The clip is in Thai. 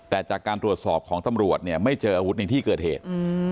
แต่จากการตรวจสอบของตำรวจเนี่ยไม่เจออาวุธในที่เกิดเหตุ